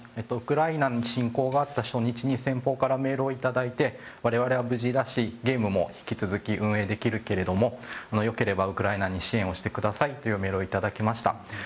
ウクライナへの侵攻があった初日に先方からメールをいただいて我々は無事だし、ゲームも引き続き運営できるけれどよければウクライナに支援をしてくださいというメールをいただきました。